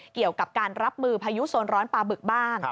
เกี่ยวกับการรับมือพายุโซนร้อนปลาบึกบ้าง